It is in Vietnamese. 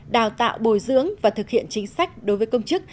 đào tạo bồi dưỡng và thực hiện chính sách đối với công chức